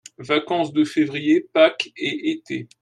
Vacances de février, pâques et été.